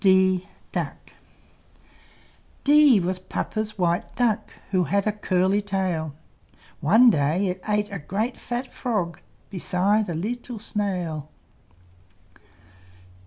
D D was Papa's white Duck, Who had a curly tail; One day it ate a great fat frog, Besides a leetle snail.